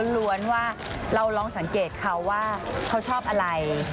ล้วนว่าเราลองสังเกตเขาว่าเขาชอบอะไร